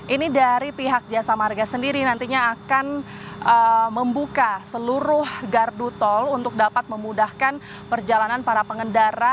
ini dari pihak jasa marga sendiri nantinya akan membuka seluruh gardu tol untuk dapat memudahkan perjalanan para pengendara